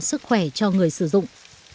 sức khỏe cho người sử dụng